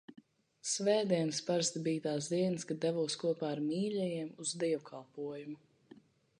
Svētdienas parasti bija tās dienas, kad devos kopā ar mīļajiem uz dievkalpojumu.